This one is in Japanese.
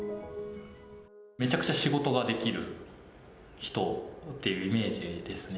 めちゃくちゃ仕事ができる人っていうイメージですね。